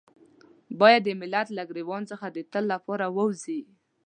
بايد د ملت له ګرېوان څخه د تل لپاره ووځي.